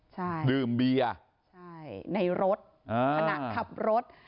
ใช่ในรถภาณะขับรถ